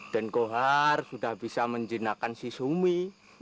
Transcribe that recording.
dan kohar sudah bisa menjenakan si sumi